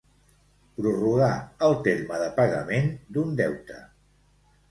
Prorrogar el terme de pagament d'un deute.